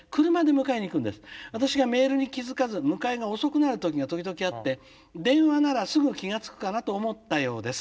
私がメールに気付かず迎えが遅くなる時が時々あって電話ならすぐ気が付くかなと思ったようです。